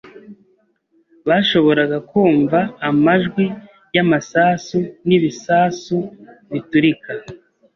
Bashoboraga kumva amajwi y'amasasu n'ibisasu biturika.